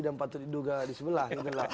dan patut diduga di sebelah